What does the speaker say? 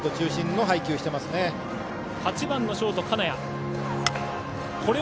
８番、ショート金谷。